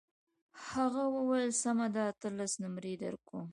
هغه وویل سمه ده اتلس نمرې درکوم.